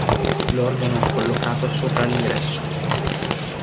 L'organo è collocato sopra l'ingresso.